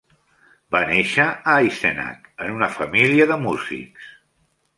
Va néixer a Eisenach, en una família de músics.